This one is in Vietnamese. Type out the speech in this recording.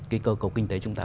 cái cơ cầu kinh tế chúng ta